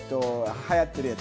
流行ってるやつ。